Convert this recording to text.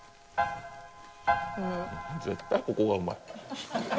絶対ここがうまい。